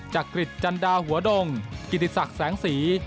กริจจันดาหัวดงกิติศักดิ์แสงสี